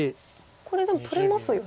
これでも取れますよね？